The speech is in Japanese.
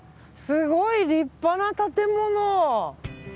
すごい立派な建物！